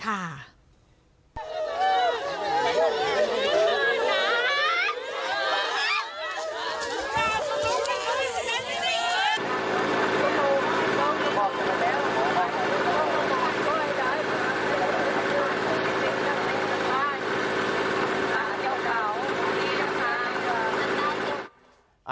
ค่ะ